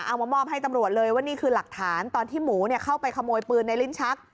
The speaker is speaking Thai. เอามามอบให้ตำรวจเลยว่านี่คือหลักฐานตอนที่หมูเข้าไปขโมยปืนในลิ้นชัก